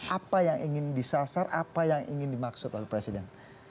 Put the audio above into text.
apa yang ingin disasar apa yang ingin dimaksud oleh presiden